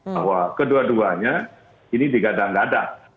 bahwa kedua duanya ini digadang gadang